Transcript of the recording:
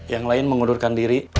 yang lain mengundurkan diri